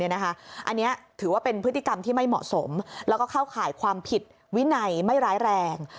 อันนี้ถือว่าเป็นพฤติกรรมที่ไม่เหมาะสมแล้วก็เข้าข่ายความผิดวินัยไม่ร้ายแรง